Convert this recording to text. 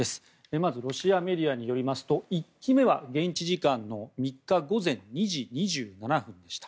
まずロシアメディアによりますと１機目は現地時間の３日午前２時２７分でした。